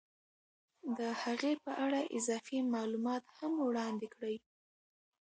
د هغې په اړه اضافي معلومات هم وړاندې کړي